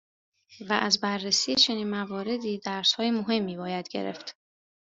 و از بررسی چنین مواردی درسهای مهمی باید گرفت.